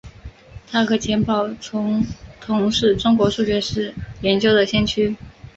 他和钱宝琮同是中国数学史研究的先驱。